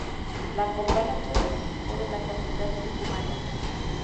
La Copa la obtuvo el equipo de la capital tucumana.